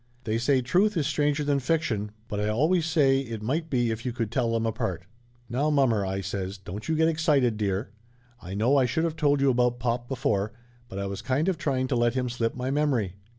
They say truth is stranger than fiction, but I always say it might be if you could tell them apart!" "Now, mommer!" I says, "don't you get excited, dear. I know I should of told you about pop before, but I was kind of trying to let him slip my memory."